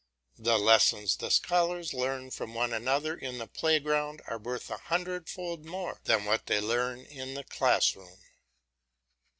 The lessons the scholars learn from one another in the playground are worth a hundredfold more than what they learn in the class room.